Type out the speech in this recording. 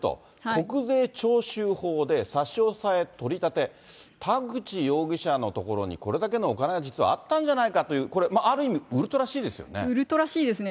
国税徴収法で差し押さえ、取り立て、田口容疑者の所にこれだけのお金が実はあったんじゃないか、これ、ウルトラＣですね。